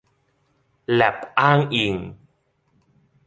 แล็บอ้างอิง